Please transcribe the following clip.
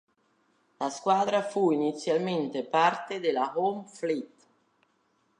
La squadra fu inizialmente parte della Home Fleet.